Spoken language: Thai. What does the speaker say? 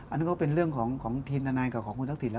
อันนี้ก็เป็นเรื่องของทีมทนายกับของคุณทักษิณ